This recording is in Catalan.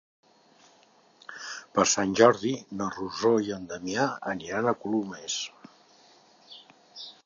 Per Sant Jordi na Rosó i en Damià aniran a Colomers.